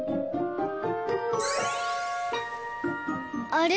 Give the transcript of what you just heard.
あれ？